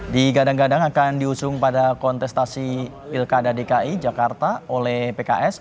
digadang gadang akan diusung pada kontestasi pilkada dki jakarta oleh pks